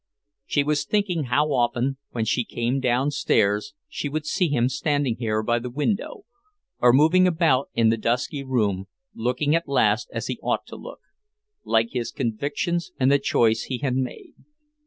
She was thinking how often, when she came downstairs, she would see him standing here by the window, or moving about in the dusky room, looking at last as he ought to look, like his convictions and the choice he had made.